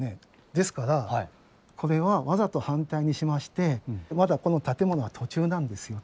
ですからこれはわざと反対にしましてまだこの建物は途中なんですよと。